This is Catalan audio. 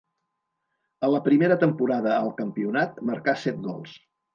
A la primera temporada al campionat marcà set gols.